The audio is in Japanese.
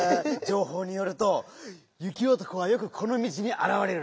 じょうほうによるとゆきおとこはよくこのみちにあらわれるらしい。